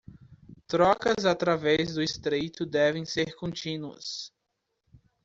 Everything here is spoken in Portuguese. Trocas através do Estreito devem ser contínuas